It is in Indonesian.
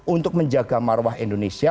untuk menjaga marwah indonesia